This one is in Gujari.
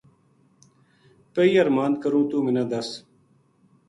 پَہی ارماند کروں توہ منا دس